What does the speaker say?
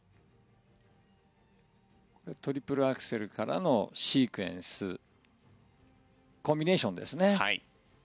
トリプルアクセルからのシークエンスコンビネーションですね。